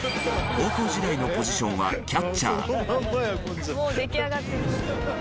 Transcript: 高校時代のポジションはキャッチャー。